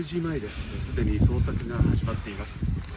すでに捜索が始まっています。